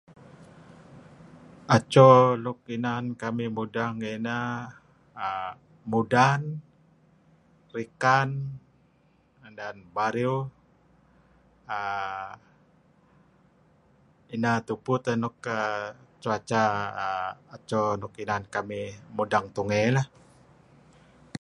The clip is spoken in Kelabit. Acho luk inan kamih mudeng ineh err mudan, rikan , dan bariew, err ineh tupu teh nuk cuaca acho nuk inan kamih mudeng tungey lah.